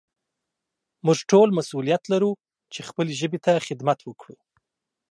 موږ ټول مسؤليت لرو چې خپلې ژبې ته خدمت وکړو.